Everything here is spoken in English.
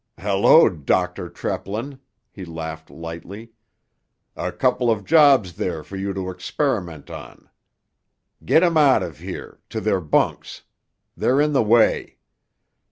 "Hello, Dr. Treplin," he laughed lightly. "A couple of jobs there for you to experiment on. Get 'em out of here—to their bunks; they're in the way.